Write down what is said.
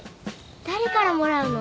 誰からもらうの？